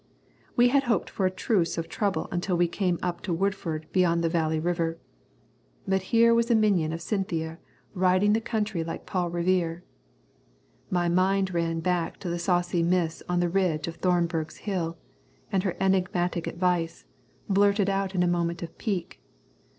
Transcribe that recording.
We had hoped for a truce of trouble until we came up to Woodford beyond the Valley River. But here was a minion of Cynthia riding the country like Paul Revere. My mind ran back to the saucy miss on the ridge of Thornberg's Hill, and her enigmatic advice, blurted out in a moment of pique.